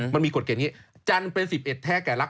มันมีกฎเกณฑ์อย่างนี้จันทร์เป็น๑๑แท้แก่รัก